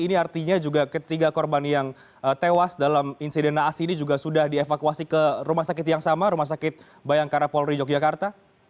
ini artinya juga ketiga korban yang tewas dalam insiden naas ini juga sudah dievakuasi ke rumah sakit yang sama rumah sakit bayangkara polri yogyakarta